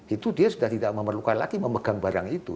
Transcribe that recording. itu dia sudah tidak memerlukan lagi memegang barang itu